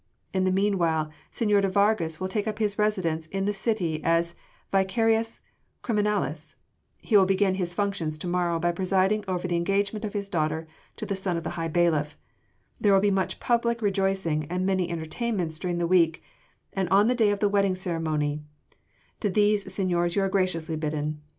In the meanwhile señor de Vargas will take up his residence in the city as vicarius criminalis: he will begin his functions to morrow by presiding over the engagement of his daughter to the son of the High Bailiff: there will be much public rejoicing and many entertainments during the week and on the day of the wedding ceremony: to these, seigniors, ye are graciously bidden.